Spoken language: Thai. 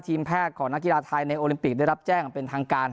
ทีมแพทย์ของนักกีฬาไทยในโอลิมปิกได้รับแจ้งอย่างเป็นทางการ